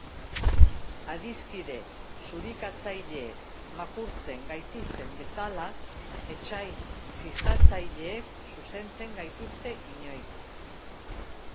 Adiskide zurikatzaileek makurtzen gaituzten bezala, etsai ziztatzaileek zuzentzen gaituzte inoiz.